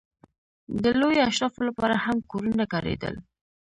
د لویو اشرافو لپاره هم کورونه کارېدل.